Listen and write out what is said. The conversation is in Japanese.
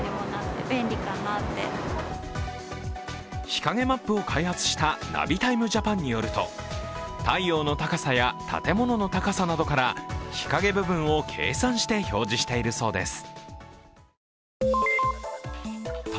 日陰マップを開発したナビタイムジャパンによると太陽の高さや建物の高さなどから日陰部分を計算して表示しているそうです。